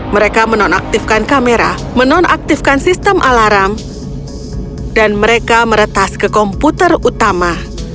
mereka menonaktifkan kamera menonaktifkan sistem alarm dan mereka meretas ke komputer utama